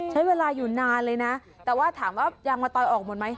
ใช้เวลาอยู่นานเลยนะแต่ว่าถามว่ายางมะตอยออกหมดไหม